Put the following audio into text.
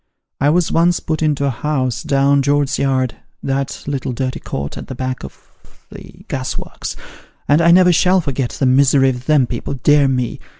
I was once put into a house down George's Yard that little dirty court at the back of the oas works ; and I never shall forget the misery of them people, dear me